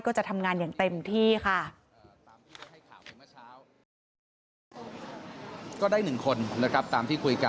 จะทำงานอย่างเต็มที่ค่ะ